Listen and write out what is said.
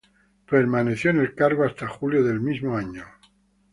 Permaneció en el cargo hasta julio del mismo año.